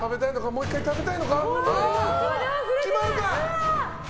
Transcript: もう１回、食べたいのか？